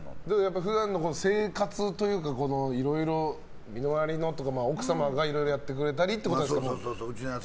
普段の生活というかいろいろ身の回りのとか奥様がいろいろやってくれたり。